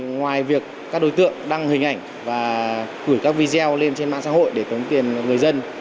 ngoài việc các đối tượng đăng hình ảnh và gửi các video lên trên mạng xã hội để tống tiền người dân